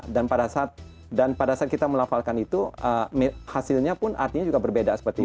dan pada saat kita melafalkan itu hasilnya pun artinya juga berbeda seperti itu